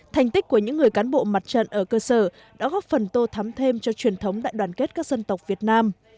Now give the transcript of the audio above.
thành tích của những người cán bộ mặt trận ở cơ sở đã góp phần tô thắm thêm cho truyền thống đại đoàn kết các dân tộc việt nam